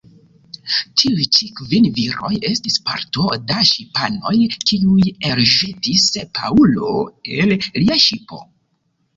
Tiuj-ĉi kvin viroj estis parto da ŝipanoj, kiuj elĵetis Paŭlo el lia ŝipo.